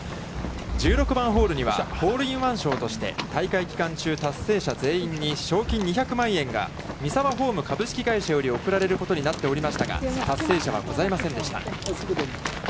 １６番ホールにはホールインワン賞として大会期間中達成者全員に賞金２００万円がミサワホーム株式会社より贈られることになっておりましたが、達成者はございませんでした。